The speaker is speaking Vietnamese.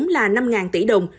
là năm tỷ đồng